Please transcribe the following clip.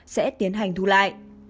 sẽ tiến hành thu lại